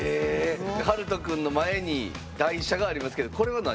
はるとくんの前に台車がありますけどこれは何？